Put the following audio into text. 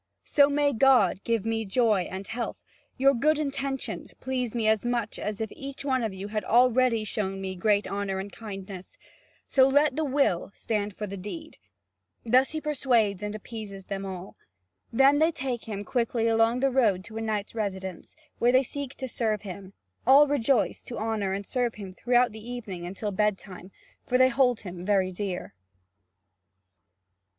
So may God give me joy and health, your good intentions please me as much as if each one of you had already shown me great honour and kindness: so let the will stand for the deed!" Thus he persuades and appeases them all. Then they take him quickly along the road to a knight's residence, where they seek to serve him: all rejoice to honour and serve him throughout the evening until bedtime, for they hold him very dear.